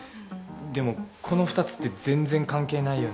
でもこの２つって全然関係ないよね。